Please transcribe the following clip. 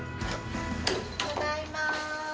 ただいまー。